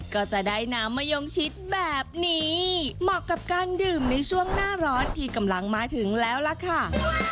ก็จะได้น้ำมะยงชิดแบบนี้เหมาะกับการดื่มในช่วงหน้าร้อนที่กำลังมาถึงแล้วล่ะค่ะ